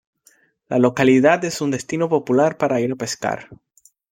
La localidad es un destino popular para ir a pescar.